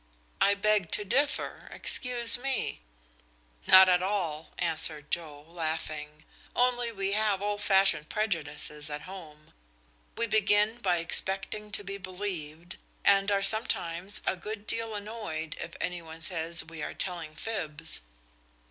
"I beg to differ. Excuse me" "Not at all," answered Joe, laughing. "Only we have old fashioned prejudices at home. We begin by expecting to be believed, and are sometimes a good deal annoyed if any one says we are telling fibs."